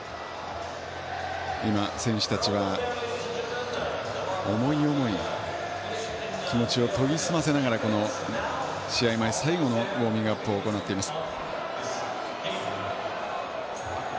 今、選手たちは思い思い気持ちを研ぎ澄ませながらこの試合前最後のウォーミングアップを行っています。